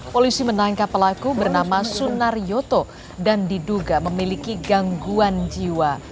polisi menangkap pelaku bernama sunaryoto dan diduga memiliki gangguan jiwa